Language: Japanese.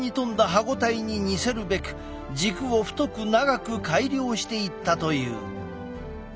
歯ごたえに似せるべく軸を太く長く改良していったという。